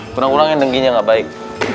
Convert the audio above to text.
kurang kurangnya dengkinya gak baik